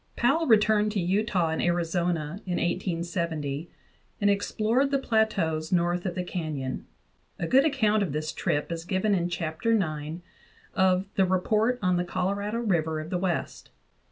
Powell returned to Utah and Arizona in 1870 and explored the plateaus north of the canyon. A good account of this trip is given in Chapter IX of the "Report on the Colorado River of the West."